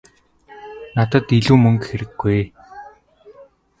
Надад илүү мөнгө хэрэггүй ээ.